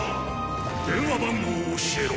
電話番号を教えろ！